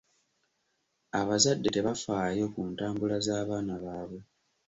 Abazadde tebafaayo ku ntambula z'abaana baabwe.